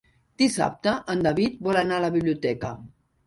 Dissabte en David vol anar a la biblioteca.